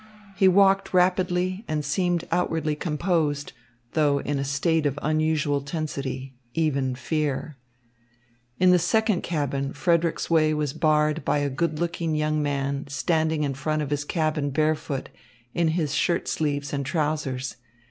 He walked rapidly and seemed outwardly composed, though in a state of unusual tensity, even fear. In the second cabin Frederick's way was barred by a good looking young man standing in front of his cabin barefoot, in his shirt sleeves and trousers.